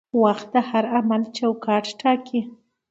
وخت د هر عمل چوکاټ ټاکي.